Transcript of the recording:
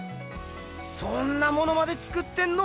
そんなものまで作ってんの？